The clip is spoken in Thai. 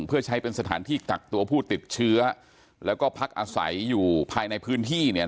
เพื่อใช้เป็นสถานที่กักตัวผู้ติดเชื้อแล้วก็พักอาศัยอยู่ภายในพื้นที่เนี่ย